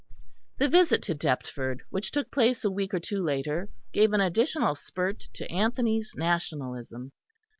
The visit to Deptford, which took place a week or two later, gave an additional spurt to Anthony's nationalism.